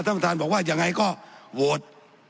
ท่านประธานบอกว่ายังไงก็โหวต